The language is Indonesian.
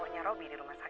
oh iya kebetulan aku juga